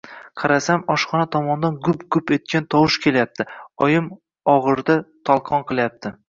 Qarasam, oshxona tomondan gup-gup etgan tovush kelyapti — oyim o‘g‘irda tolqon qilyapti.